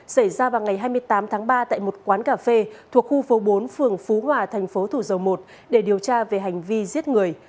xảy ra vào ngày hai mươi tám tháng ba tại một quán cà phê thuộc khu phố bốn phường phú hòa thành phố thủ dầu một để điều tra về hành vi giết người